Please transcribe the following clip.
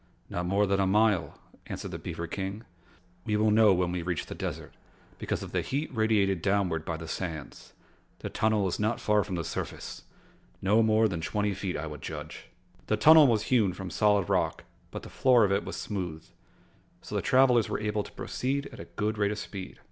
"Not more than a mile," answered the beaver King. "We will know when we reach the Desert, because of the heat radiated downward by the sands. The tunnel is not far from the surface no more than twenty feet, I would judge." The tunnel was hewn from solid rock, but the floor of it was smooth, so the travelers were able to proceed at a good rate of speed.